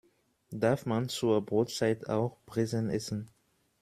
Darf man zur Brotzeit auch Brezen essen?